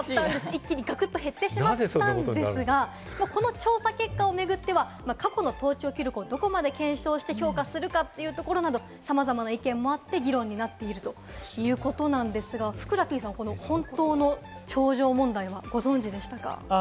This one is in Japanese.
一気にガクッと減ってしまったんですが、この調査結果を巡っては、過去の登頂記録をどこまで検証して評価するのかなど、さまざまな意見もあって、議論になっているということなんですが、ふくらＰさん、この本当の頂上問題はご存じでしたか？